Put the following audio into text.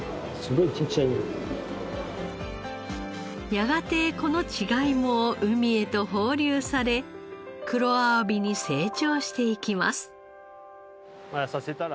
やがてこの稚貝も海へと放流され黒あわびに成長していきます。